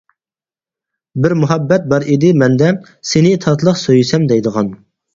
بىر مۇھەببەت بار ئىدى مەندە، سىنى تاتلىق سۆيسەم دەيدىغان.